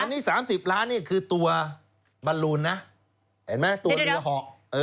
อันนี้๓๐ล้านนี่คือตัวบอลลูนนะเห็นไหมตัวเรือเหาะ